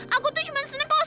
aku tuh cuma seneng kalo sama